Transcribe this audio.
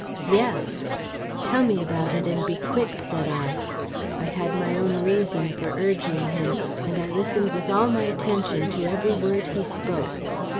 "Yes!" "Tell me about it, and be quick!" said I. I had my own reason for urging him, and I listened with all my attention to every word he spoke.